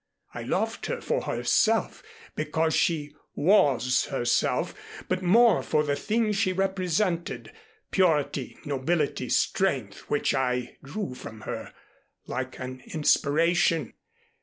I loved her for herself, because she was herself, but more for the things she represented purity, nobility, strength which I drew from her like an inspiration.